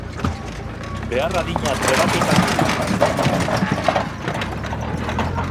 Behar adina trebatutako irakasleria badago.